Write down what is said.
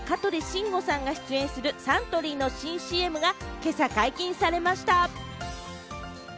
稲垣吾郎さん、草なぎ剛さん、香取慎吾さんが出演するサントリーの新ＣＭが今朝解禁されました。